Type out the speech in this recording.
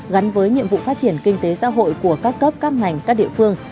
gắn với nhiệm vụ phát triển kinh tế xã hội của các cấp các ngành các địa phương